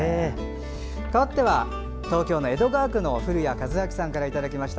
かわっては東京・江戸川区の古谷和明さんからいただきました。